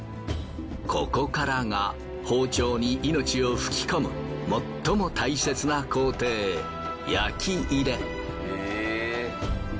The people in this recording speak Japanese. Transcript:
ここからが包丁に命を吹き込む最も大切な工程焼き入れ。